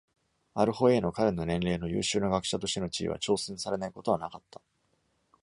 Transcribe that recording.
アル・ホエイの彼の年齢の優秀な学者としての地位は挑戦されないことはなかった。